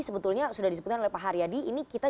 sebetulnya sudah disebutkan oleh pak haryadi ini kita